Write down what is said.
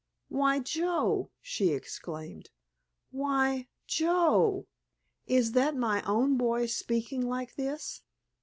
"Why, Joe!" she exclaimed, "why, Joe! Is that my own boy speaking like this?